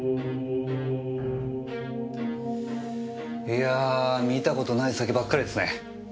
いや見た事ない酒ばっかりですね。